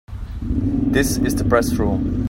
This is the Press Room.